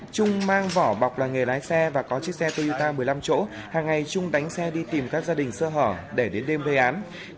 trung mang vỏ bọc là nghề lái xe và có chiếc xe toya một mươi năm chỗ hàng ngày trung đánh xe đi tìm các gia đình sơ hở để đến đêm gây án